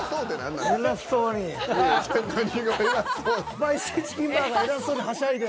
スパイシーチキンバーガー偉そうにはしゃいで。